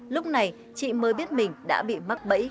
lúc này chị mới biết mình đã bị mắc bẫy